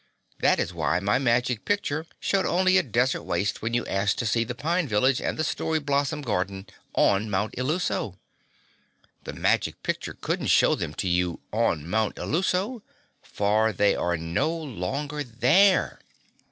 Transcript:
That is why my Magic Picture showed only a desert waste when you asked to see the pine village and the Story Blossom Garden on Mount Illuso. The Magic Picture couldn't show them to you on Mount Illuso for they are no longer there!